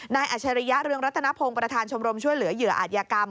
อัชริยะเรืองรัตนพงศ์ประธานชมรมช่วยเหลือเหยื่ออาจยากรรม